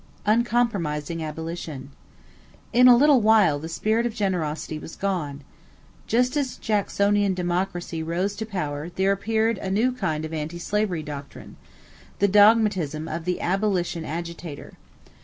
=Uncompromising Abolition.= In a little while the spirit of generosity was gone. Just as Jacksonian Democracy rose to power there appeared a new kind of anti slavery doctrine the dogmatism of the abolition agitator.